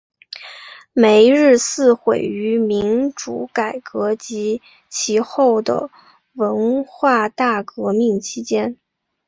梅日寺毁于民主改革及其后的文化大革命期间。